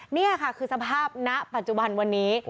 นี่ค่ะคือสภาพณปัจจุบันวันนี้